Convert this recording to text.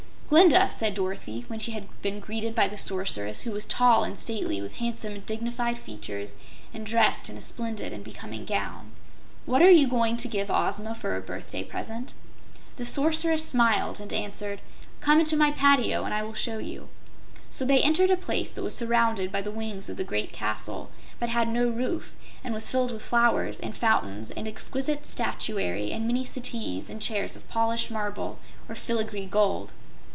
"Glinda," said Dorothy, when she had been greeted by the Sorceress, who was tall and stately, with handsome and dignified features and dressed in a splendid and becoming gown, "what are you going to give Ozma for a birthday present?" The Sorceress smiled and answered: "Come into my patio and I will show you." So they entered a place that was surrounded by the wings of the great castle but had no roof, and was filled with flowers and fountains and exquisite statuary and many settees and chairs of polished marble or filigree gold.